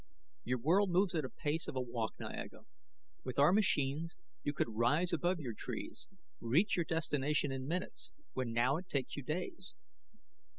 "Your world moves at the pace of a walk, Niaga; with our machines, you could rise above your trees, reach your destination in minutes when now it takes you days."